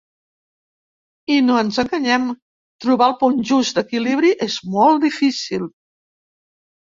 I, no ens enganyem: trobar el punt just d’equilibri és molt difícil.